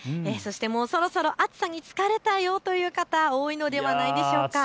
もうそろそろ暑さに疲れたよという方、多いんじゃないでしょうか。